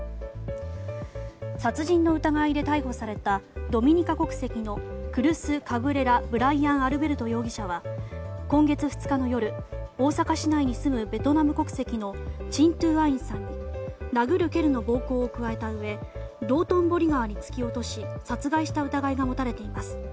殺人の疑いで逮捕されたドミニカ国籍のクルス・カブレラ・ブライアン・アルベルト容疑者は今月２日の夜大阪市内に住むベトナム国籍のチン・トゥ・アインさんに殴る蹴るの暴行を加えたうえ道頓堀川に突き落とし殺害した疑いが持たれています。